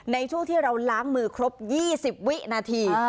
ในช่วงที่เราล้างมือครบ๒๐วินาที